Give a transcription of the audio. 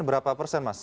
berapa persen mas